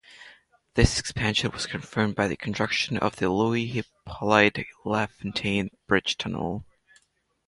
This expansion was confirmed by the construction of the Louis-Hippolyte Lafontaine Bridge-Tunnel.